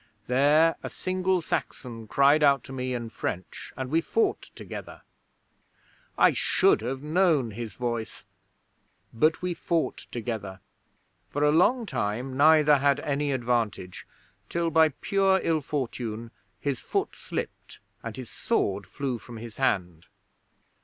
There a single Saxon cried out to me in French, and we fought together. I should have known his voice, but we fought together. For a long time neither had any advantage, till by pure ill fortune his foot slipped and his sword flew from his hand.